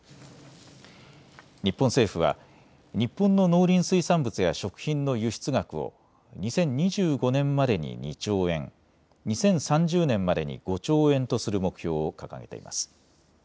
日本政府は日本の農林水産物や食品の輸出額を２０２５年までに２兆円、２０３０年までに５兆円とする目標を掲げています。